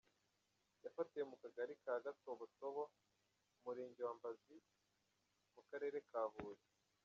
Yafatiwe mu kagari ka Gatobotobo, umurenge wa Mbazi, mu karere ka Huye.